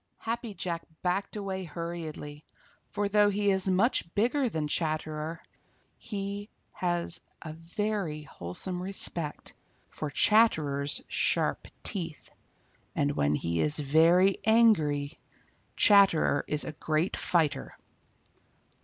Happy Jack backed away hurriedly, for though he is much bigger than Chatterer, he has a very wholesome respect for Chatterer's sharp teeth, and when he is very angry, Chatterer is a great fighter.